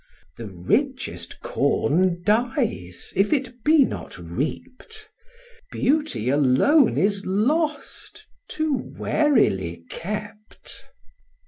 The richest corn dies, if it be not reapt; Beauty alone is lost, too warily kept."